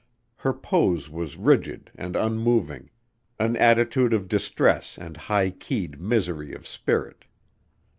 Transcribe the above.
Her pose was rigid and unmoving; an attitude of distress and high keyed misery of spirit.